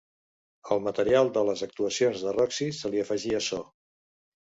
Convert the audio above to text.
Al material de les actuacions de Roxy se li afegia so.